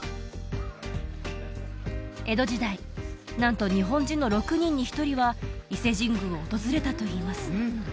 江戸時代なんと日本人の６人に１人は伊勢神宮を訪れたといいます